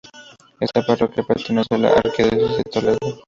Esta Parroquia pertenece a la archidiócesis de Toledo.